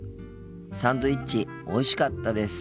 サンドイッチおいしかったです。